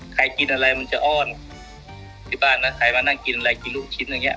กินอะไรมันจะอ้อนที่บ้านนะใครมานั่งกินอะไรกินลูกชิ้นอย่างเง